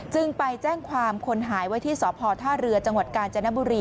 ไปแจ้งความคนหายไว้ที่สพท่าเรือจังหวัดกาญจนบุรี